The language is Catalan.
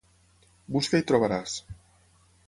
Busca i trobaràs.